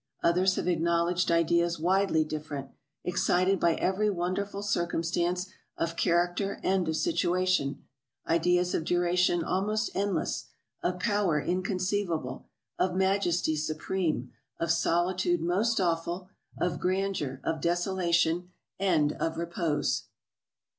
Others have acknowledged ideas widely different, excited by every won derful circumstance of character and of situation — ideas of duration almost endless, of power inconceivable, of majesty supreme, of solitude most awful, of grandeur, of desolation, and of repose.